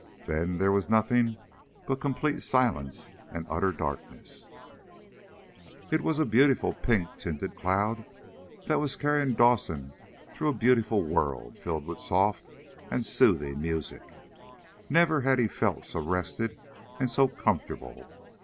Then there was nothing but complete silence and utter darkness. It was a beautiful pink tinted cloud that was carrying Dawson through a beautiful world filled with soft and soothing music. Never had he felt so rested, and so comfortable.